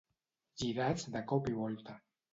Girats de cop i volta.